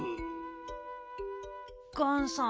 ガンさん。